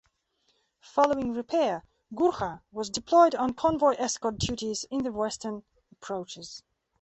Following repair, "Gurkha" was deployed on convoy escort duties in the Western Approaches.